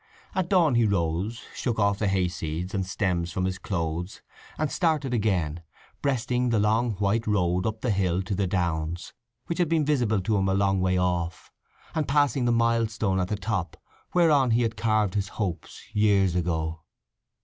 At dawn he rose, shook off the hayseeds and stems from his clothes, and started again, breasting the long white road up the hill to the downs, which had been visible to him a long way off, and passing the milestone at the top, whereon he had carved his hopes years ago.